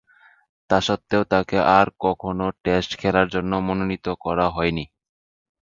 তাসত্ত্বেও তাকে আর কখনো টেস্ট খেলার জন্যে মনোনীত করা হয়নি।